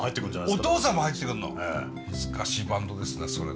難しいバンドですねそれは。